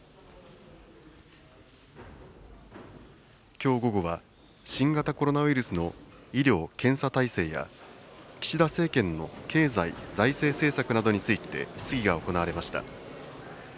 きょう午後は、新型コロナウイルスの医療検査体制や、岸田政権の経済、財政政策などについて質疑が行われました。